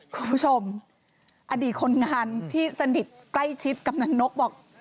คุณผู้ชมอดีตคนงานที่สนิทใกล้ชิดกำนันนกบอก